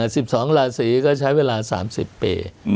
สิบสองราศีก็ใช้เวลาสามสิบปี